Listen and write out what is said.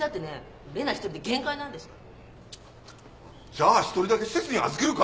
じゃ１人だけ施設に預けるか。